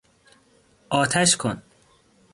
آتش کن!